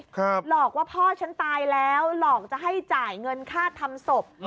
หลอกว่าพ่อฉันตายแล้วหลอกจะให้จ่ายเงินค่าทำศพ